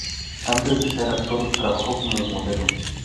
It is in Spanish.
Antes de ser actor, trabajó como modelo.